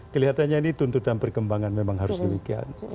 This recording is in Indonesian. kelihatannya ini tuntutan perkembangan memang harus demikian